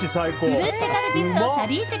フルーチェ×カルピスとシャリーチェ×